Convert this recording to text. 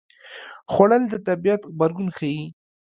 خوړل د طبیعت غبرګون ښيي